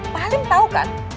pak halim tau kan